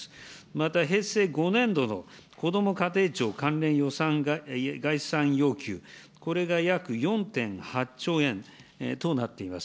また、平成５年度のこども家庭庁関連予算概算要求、これが約４．８兆円となっています。